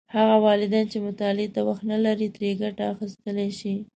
هغه والدین چې مطالعې ته وخت نه لري، ترې ګټه اخیستلی شي.